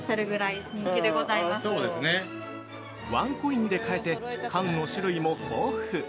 ◆ワンコインで買えて缶の種類も豊富。